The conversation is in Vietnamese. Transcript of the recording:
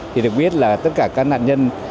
thì được biết là tất cả các nạn nhân